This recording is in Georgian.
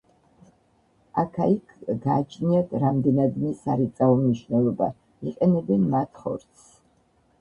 აქა-იქ გააჩნიათ რამდენადმე სარეწაო მნიშვნელობა, იყენებენ მათ ხორცს.